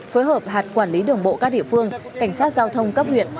phối hợp hạt quản lý đường bộ các địa phương cảnh sát giao thông cấp huyện